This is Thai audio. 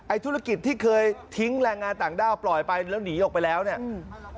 ธุรกิจที่เคยทิ้งแรงงานต่างด้าวปล่อยไปแล้วหนีออกไปแล้วเนี่ยอืม